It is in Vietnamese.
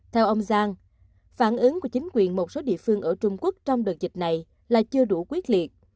theo ông giang phản ứng của chính quyền một số địa phương ở trung quốc trong đợt dịch này là chưa đủ quyết liệt